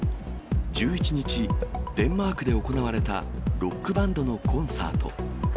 １１日、デンマークで行われたロックバンドのコンサート。